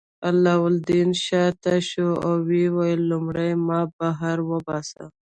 علاوالدین شاته شو او ویې ویل لومړی ما بهر وباسه.